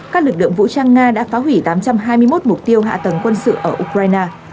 các lực lượng vũ trang nga đã phá hủy tám trăm hai mươi một mục tiêu hạ tầng quân sự ở ukraine